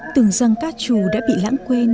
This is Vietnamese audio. tưởng rằng ca trù đã bị lãng quên